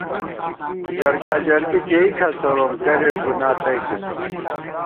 جرگا جرگی کېئی کھسَروم کرېک گُنا تئیتِسہ